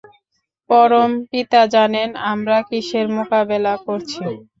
পরম পিতা জানেন আমরা কিসের মোকাবেলা করছি।